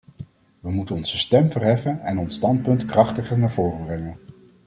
We moeten onze stem verheffen en ons standpunt krachtiger naar voren brengen.